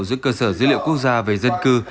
giữa cơ sở dữ liệu quốc gia về dân cư